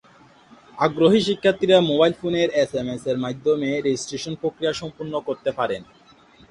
আগ্রহী শিক্ষার্থীরা মোবাইল ফোনের এসএমএস-এর মাধ্যমে রেজিস্ট্রেশন প্রক্রিয়া সম্পন্ন করতে পারেন।